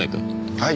はい。